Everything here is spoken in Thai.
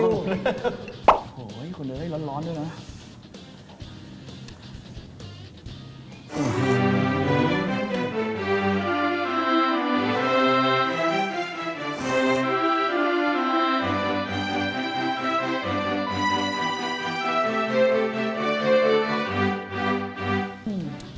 โอ้โหคนเดินได้ร้อนด้วยนะ